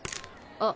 あっ！